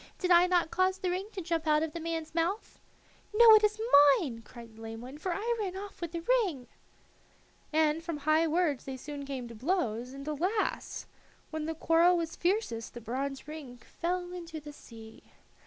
Did I not cause the ring to jump out of the man's mouth?" "No, it is mine," cried the lame one, "for I ran off with the ring." And from high words they soon came to blows, and, alas! when the quarrel was fiercest the bronze ring fell into the sea.